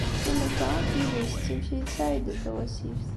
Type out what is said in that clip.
S umata, Yuba isett imekli d Saɛida Tawasift.